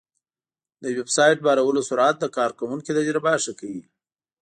د ویب سایټ بارولو سرعت د کارونکي تجربه ښه کوي.